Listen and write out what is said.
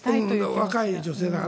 若い女性だから。